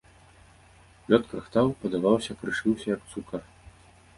Лёд крахтаў, падаваўся, крышыўся як цукар.